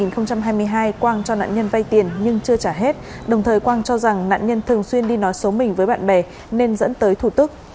năm hai nghìn hai mươi hai quang cho nạn nhân vay tiền nhưng chưa trả hết đồng thời quang cho rằng nạn nhân thường xuyên đi nói xấu mình với bạn bè nên dẫn tới thủ tức